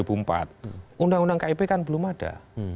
undang undang kip kan belum ada